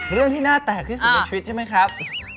เรื่องที่น่าแตกที่สุดในชีวิตใช่ไหมครับ